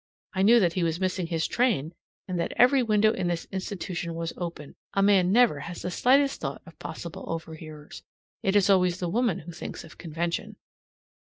I knew that he was missing his train, and that every window in this institution was open. A man never has the slightest thought of possible overhearers. It is always the woman who thinks of convention.